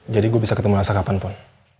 jadi gue bisa ketemu elsa kapanpun